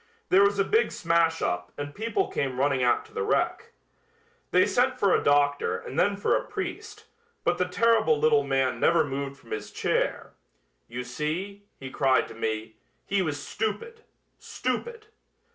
There was a big smash up and people came running out to the wreck. They sent for a doctor and then for a priest, but the terrible little man never moved from his chair. 'You see,' he cried to me, 'he was stupid! stupid!'